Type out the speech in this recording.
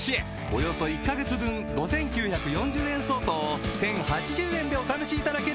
およそ１カ月分５９４０円相当を１０８０円でお試しいただけるチャンスです